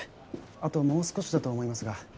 あともう少しだと思いますが。